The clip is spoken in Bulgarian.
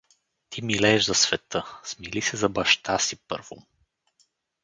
Ти милееш за света — смили се за баща си първом!